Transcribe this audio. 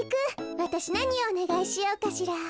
わたしなにをおねがいしようかしら。